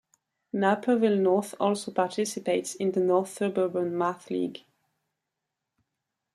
Naperville North also participates in the North Suburban Math League.